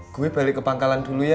gue balik ke pangkalan dulu ya